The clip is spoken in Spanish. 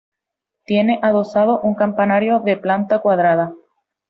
Tiene adosado un campanario de planta cuadrada.